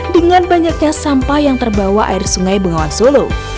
dengan banyaknya sampah yang terbawa air sungai bengawan solo